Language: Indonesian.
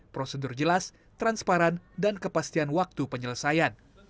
prosedur jelas transparan dan kepastian waktu penyelesaian